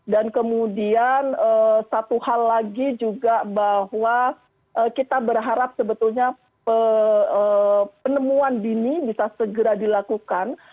dan kemudian satu hal lagi juga bahwa kita berharap sebetulnya penemuan dini bisa segera dilakukan